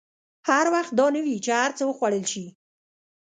هر وخت دا نه وي چې هر څه وخوړل شي.